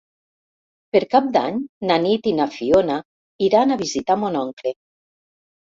Per Cap d'Any na Nit i na Fiona iran a visitar mon oncle.